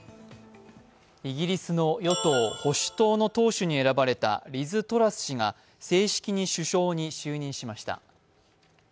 イギリスの与党・保守党の党首に選ばれたリズ・トラス氏が正式に首相に就任しました。